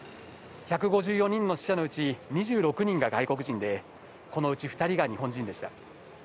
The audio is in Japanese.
１５４人の死者のうち２６人が外国人で、このうち２人が日本人でした。